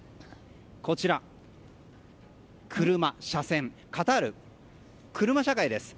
こちら車、車線カタールは車社会です。